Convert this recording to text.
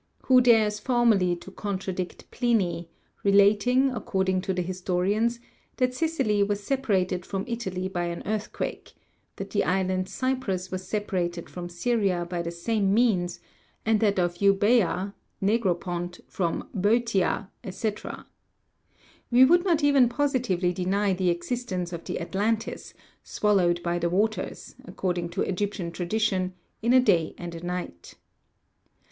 Who dares formally to contradict Pliny, relating, according to the historians, that Sicily was separated from Italy by an earthquake ; that the island Cy'prus was separated from Syria by the same means ; and that of Eubre'a (Negropont) from Bosotia, &c. ? We would not even positively deny the existence of the Atlantis, swallowed by the waters, according to Egyp tian tradition, in a dav and a night.